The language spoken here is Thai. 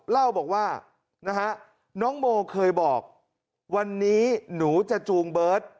เล่าบอกว่านะฮะน้องโมเคยบอกวันนี้หนูจะจูงเบิร์ต